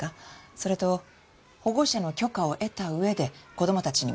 それと保護者の許可を得た上で子供たちにも。